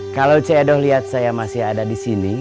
kalo cik edho liat saya masih ada disini